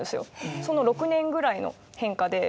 その６年ぐらいの変化で。